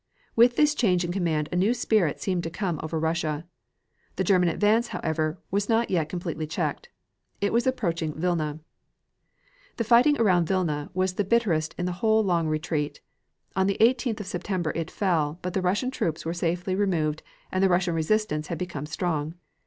With this change in command a new spirit seemed to come over Russia. The German advance, however, was not yet completely checked. It was approaching Vilna. The fighting around Vilna was the bitterest in the whole long retreat. On the 18th of September it fell, but the Russian troops were safely removed and the Russian resistance had become strong.